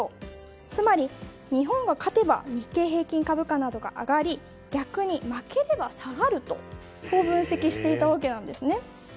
つまり、日本が勝てば日経平均株価などが上がり逆に負ければ下がると分析していたんですね。